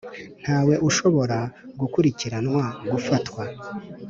Ntawe ushobora gukurikiranwa, gufatwa,